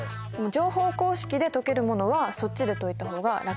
乗法公式で解けるものはそっちで解いた方が楽ちんだよ。